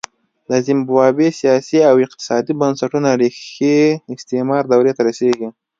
د زیمبابوې سیاسي او اقتصادي بنسټونو ریښې استعمار دورې ته رسېږي.